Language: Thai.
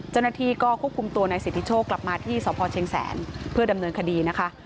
เจ้าหน้าที่ก็ควบคุมตัวนายสิทธิโชคกลับมาที่สพเชียงแสนเพื่อดำเนินคดีนะคะ